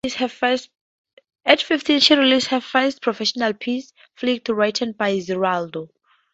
At fifteen she released her first professional piece, Flicts, written by Ziraldo.